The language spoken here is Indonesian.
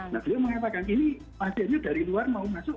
nah beliau mengatakan ini pasiennya dari luar mau masuk nggak bisa mas